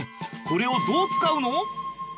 これをどう使うの？